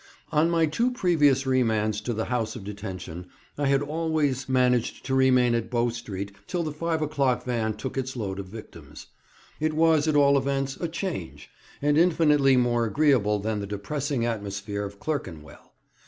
On my two previous remands to the House of Detention I had always managed to remain at Bow Street till the 5 o'clock van took its load of victims. It was, at all events, a change, and infinitely more agreeable than the depressing atmosphere of Clerkenwell.